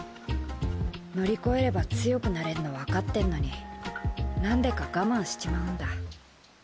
乗り越えれば強くなれんのわかってんのになんでか我慢しちまうんだ。